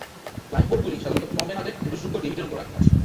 লাইফবোটগুলি সাধারণত প্রমেনাডে প্রবেশযোগ্য ডেভিটের উপর রাখা হয়।